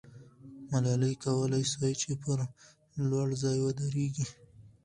ملالۍ کولای سوای چې پر لوړ ځای ودریږي.